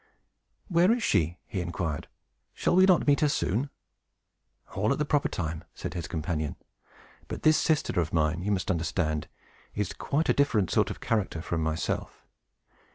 "Where is she?" he inquired. "Shall we not meet her soon?" "All at the proper time," said his companion. "But this sister of mine, you must understand, is quite a different sort of character from myself.